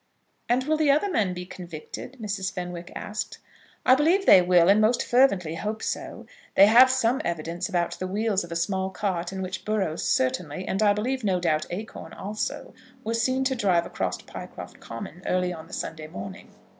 "And will the other men be convicted?" Mrs. Fenwick asked. "I believe they will, and most fervently hope so. They have some evidence about the wheels of a small cart in which Burrows certainly, and, I believe, no doubt Acorn also, were seen to drive across Pycroft Common early on the Sunday morning.